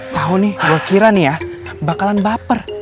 tahu nih gue kira nih ya bakalan baper